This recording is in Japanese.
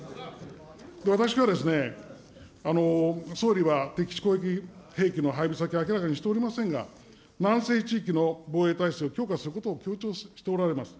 私がですね、総理は敵基地攻撃兵器の配備先を明らかにしておりませんが、南西地域の防衛を強化することを強調しておられます。